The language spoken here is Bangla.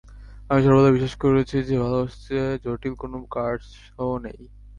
আমি সর্বদা বিশ্বাস করেছি যে, ভালোবাসার চেয়ে জটিল কোনো কার্স নেই।